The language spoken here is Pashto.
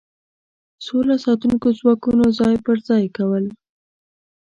سوله ساتونکو ځواکونو ځای په ځای کول.